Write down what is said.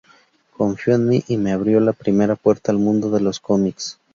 Confío en mí y me abrió la primera puerta al mundo de los comics.